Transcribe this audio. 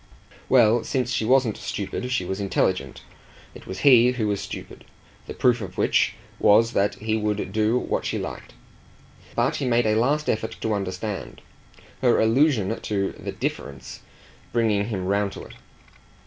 Well, since she wasn't stupid she was intelligent; it was he who was stupid the proof of which was that he would do what she liked. But he made a last effort to understand, her allusion to the "difference" bringing him round to it.